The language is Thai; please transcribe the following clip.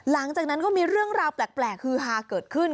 หลังจากนั้นก็มีเรื่องราวแปลกฮือฮาเกิดขึ้น